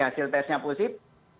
hasil testnya positif